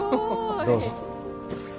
どうぞ。